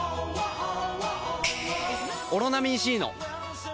「オロナミン Ｃ」の！